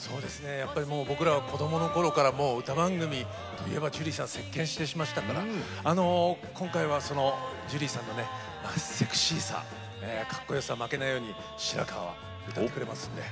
やっぱりもう僕らは子どものころから歌番組といえばジュリーさん席けんしてましたから今回はそのジュリーさんのねセクシーさかっこよさ負けないように白川は歌ってくれますので。